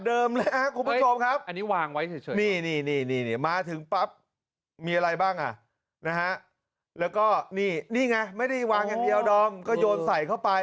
นี่แม่นี่ไงไม่ได้วางอย่างเดียวโดมก็โยนใส่เข้าไป